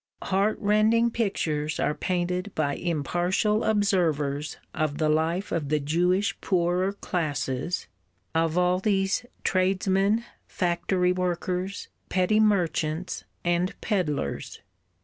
Heart rending pictures are painted by impartial observers of the life of the Jewish poorer classes, of all these tradesmen, factory workers, petty merchants and peddlers.